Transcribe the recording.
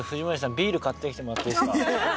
ビール買ってきてもらっていいですか？